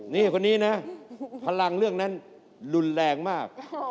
นี่คนนี้นะพลังเรื่องนั้นรุนแรงมาก